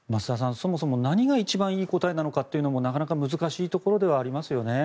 そもそも何が一番いい答えなのかということもなかなか難しいところではありますよね。